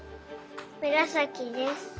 むらさきです。